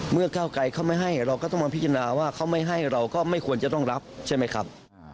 ก้าวไกรเขาไม่ให้เราก็ต้องมาพิจารณาว่าเขาไม่ให้เราก็ไม่ควรจะต้องรับใช่ไหมครับ